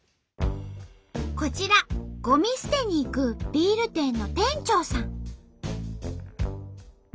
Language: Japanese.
こちらゴミ捨てに行くビール店の店長さん。